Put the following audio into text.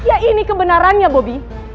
ya ini kebenarannya bobi